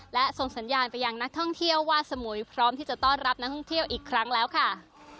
และส่งสัญญาณไปยังนักท่องเที่ยวว่าสมุยพร้อมที่จะต้อนรับนักท่องเที่ยวอีกครั้งแล้วค่ะ